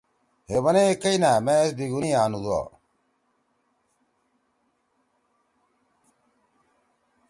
ہے بنئی کئی نأ، ما ایس بیگینُو یے آنُودُوا۔